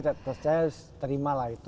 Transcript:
terus saya harus terima